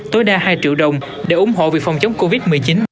tối đa hai triệu đồng để ủng hộ việc phòng chống covid một mươi chín